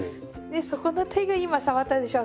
でそこの手が今触ったでしょう。